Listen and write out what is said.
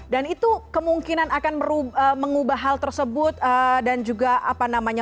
dan itu kemungkinan akan mengubah hal tersebut dan juga apa namanya